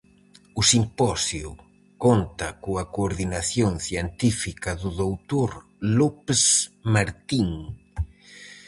O simposio conta coa coordinación científica do doutor López Martín.